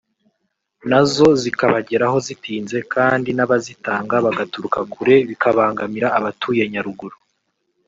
na zo zikabageraho zitinze kandi n’abazitanga bagaturuka kure bikabangamira abatuye Nyaruguru